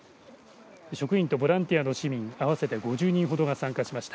職員とボランティアの市民合わせて５０人ほどが参加しました。